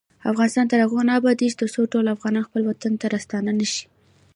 افغانستان تر هغو نه ابادیږي، ترڅو ټول افغانان خپل وطن ته راستانه نشي.